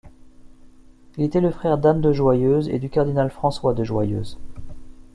Il était le frère d'Anne de Joyeuse et du cardinal François de Joyeuse.